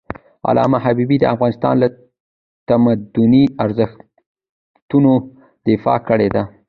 علامه حبيبي د افغانستان له تمدني ارزښتونو دفاع کړی ده.